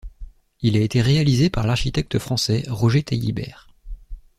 Il a été réalisé par l'architecte français Roger Taillibert.